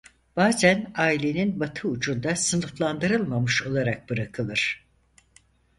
Bazen ailenin batı ucunda sınıflandırılmamış olarak bırakılır.